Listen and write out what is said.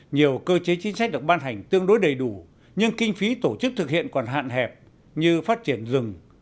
nhiều cơ chế chính sách được ban hành tương đối đầy đủ nhưng kinh phí tổ chức thực hiện còn hạn hẹp như phát triển rừng